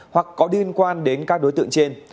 hoặc có liên quan đến các đối tượng trên